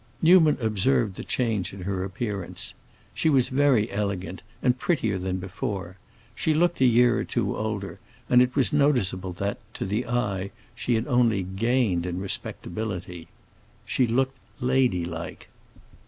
Newman observed the change in her appearance. She was very elegant and prettier than before; she looked a year or two older, and it was noticeable that, to the eye, she had only gained in respectability. She looked "lady like."